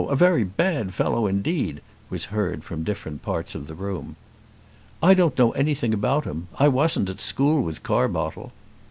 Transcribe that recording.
A very bad fellow indeed," was heard from different parts of the room. "I don't know anything about him. I wasn't at school with Carbottle."